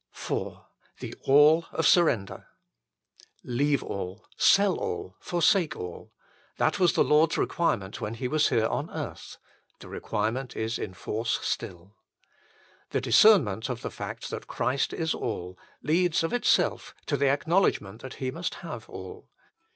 174 THE FULL BLESSING OF PENTECOST IV THE ALL OF SURRENDER Leave all, sell all, forsake all : that was the Lord s requirement when He was here on earth : the requirement is in force still. The discernment of the fact that Christ is all leads of itself to the acknowledgment that He must have all.